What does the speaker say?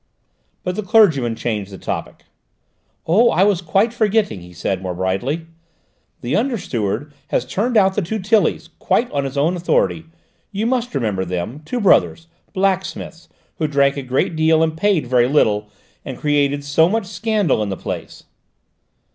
But the clergyman changed the topic. "Oh, I was quite forgetting," he said more brightly. "The under steward has turned out the two Tillys, quite on his own authority: you must remember them, two brothers, blacksmiths, who drank a great deal and paid very little, and created so much scandal in the place."